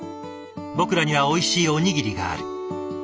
僕らにはおいしいおにぎりがある。